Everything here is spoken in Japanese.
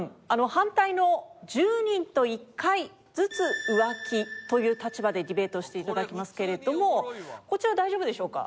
反対の１０人と１回ずつ浮気という立場でディベートをして頂きますけれどもこちら大丈夫でしょうか？